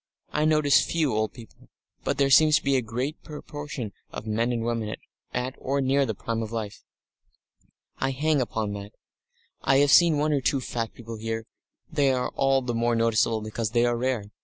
I notice few old people, but there seems to be a greater proportion of men and women at or near the prime of life. I hang upon that. I have seen one or two fat people here they are all the more noticeable because they are rare.